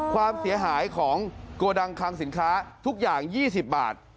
ความเสียหายของโกดังคลังสินค้าทุกอย่าง๒๐บาท